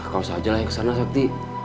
kau saja lah yang kesana sakti